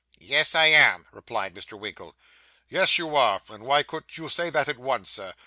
'Yes, I am,' replied Mr. Winkle. 'Yes, you are. And why couldn't you say that at once, Sir?